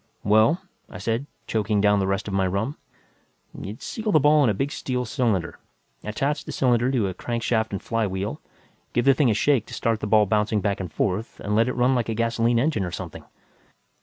"Well," I said, choking down the rest of my rum, "you'd seal the ball in a big steel cylinder, attach the cylinder to a crankshaft and flywheel, give the thing a shake to start the ball bouncing back and forth, and let it run like a gasoline engine or something.